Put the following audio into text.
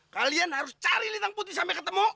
kalian harus cari lintang putih sampai ketemu